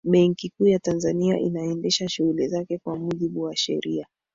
benki kuu ya tanzania inaendesha shughuli zake kwa mujibu wa sheria